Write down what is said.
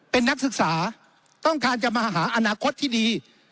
เป็นนักศึกษาต้องการจะมาหาอนาคตที่ดี